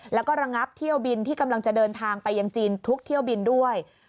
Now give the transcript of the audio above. แล้วก็ระงับเที่ยวบินที่กำลังจะเดินทางไปยังจีนทุกเที่ยวบินด้วย